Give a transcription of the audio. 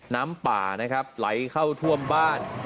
น้ำป่านะครับไหลเข้าท่วมบ้าน